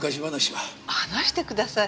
話してください。